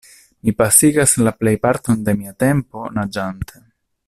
Mi pasigas la plejparton de mia tempo naĝante.